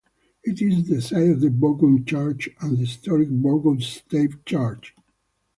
It is the site of the Borgund Church and the historic Borgund Stave Church.